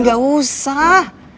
ih gak usah